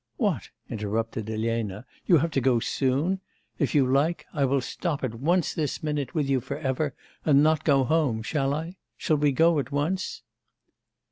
'What!' interrupted Elena, 'you have to go soon? If you like, I will stop at once this minute with you for ever, and not go home, shall I? Shall we go at once?